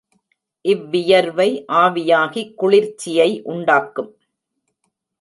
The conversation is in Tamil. இவ்வியர்வை ஆவியாகிக் குளிர்ச்சியை உண்டாக்கும்.